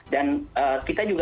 dan kita juga